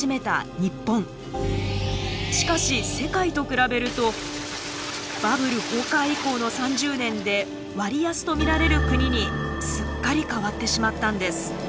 しかし世界と比べるとバブル崩壊以降の３０年で割安と見られる国にすっかり変わってしまったんです。